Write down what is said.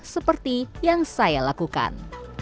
seperti yang saya lakukan